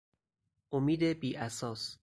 امید بی اساس